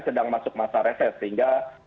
sedang masuk masa reses sehingga